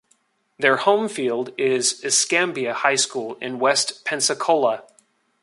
Their home field is Escambia High School in West Pensacola.